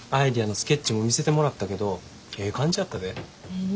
へえ。